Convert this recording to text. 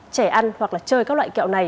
trẻ ăn hoặc là chơi các loại kẹo này